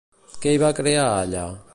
Què hi va crear, allà?